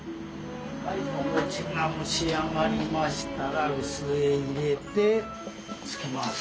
お餅が蒸し上がりましたら臼へ入れてつきます。